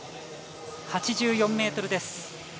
８４ｍです。